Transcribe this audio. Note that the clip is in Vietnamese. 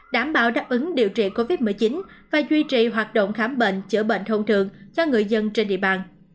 đảm bảo đáp ứng điều trị covid một mươi chín và duy trì hoạt động khám bệnh chữa bệnh thông thường cho người dân trên địa bàn